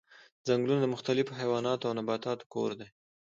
ځنګلونه د مختلفو حیواناتو او نباتاتو کور دي.